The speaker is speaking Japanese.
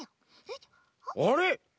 あれ？